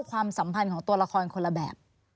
ความสัมพันธ์ของตัวละครคนละแบบ